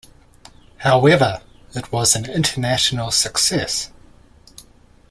However it was an international success.